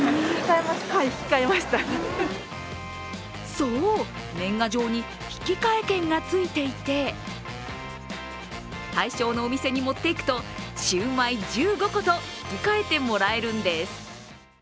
そう、年賀状に引換券がついていて対象のお店に持っていくとシウマイ１５個と引き換えてもらえるんです。